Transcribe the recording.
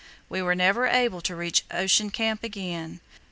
We were never able to reach Ocean Camp again.